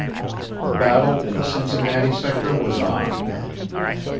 The battle in the Cincinnati sector was on.